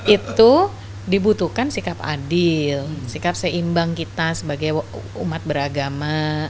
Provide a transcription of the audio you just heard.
itu dibutuhkan sikap adil sikap seimbang kita sebagai umat beragama